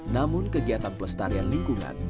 namun kegiatan pelestarian lingkungan